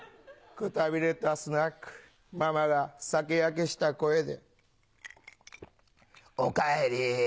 くたびれたスナックママが酒やけした声で。